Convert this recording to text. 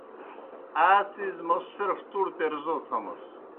آ څِیز موْس صرف تُوْر پیرزَو تھمَس۔